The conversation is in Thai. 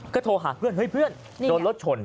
ก็โทรหาเพื่อนเฮ้ยเพื่อนโดนรถชน